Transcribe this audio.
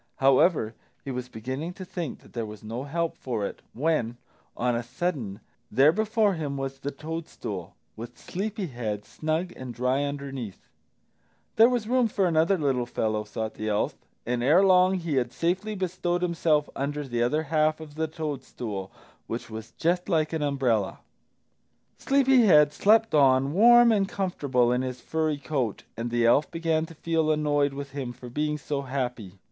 However, he was beginning to think that there was no help for it, when, on a sudden, there before him was the toadstool, with Sleepy head snug and dry underneath! There was room for another little fellow, thought the elf, and ere long he had safely bestowed himself under the other half of the toadstool, which was just like an umbrella. Sleepy head slept on, warm and comfortable in his furry coat, and the elf began to feel annoyed with him for being so happy.